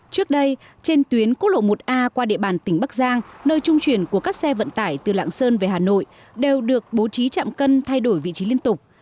trước đây trên tuyến quốc lộ một a qua địa bàn tỉnh bắc giang nơi trung chuyển của các xe vận tải từ lạng sơn về hà nội đều được bố trí chạm cân thay đổi vị trí liên tục